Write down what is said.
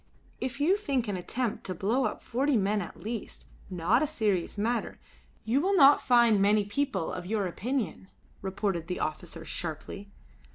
"If you think an attempt to blow up forty men at least, not a serious matter you will not find many people of your opinion," retorted the officer sharply.